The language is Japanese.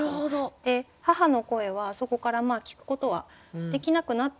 で母の声はそこから聞くことはできなくなったんですけど